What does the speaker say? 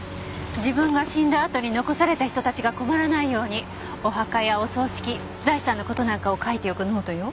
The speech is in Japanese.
自分が死んだあとに残された人たちが困らないようにお墓やお葬式財産の事なんかを書いておくノートよ。